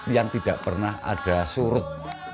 yang tidak pernah ada surut